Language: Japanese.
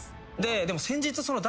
でも先日。